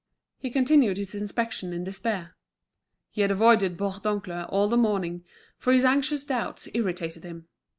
He continued his inspection in despair. He had avoided Bourdoncle all the morning, for his anxious doubts irritated him.